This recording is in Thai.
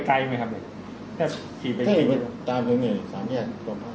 เดี๋ยวนั้นก็ขอเบอร์โทรศัพท์พ่อแม่เราก็ได้